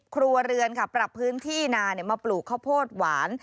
ครัวเรือนค่ะปรับพื้นที่นามาปลูกข้าวโพดหวาน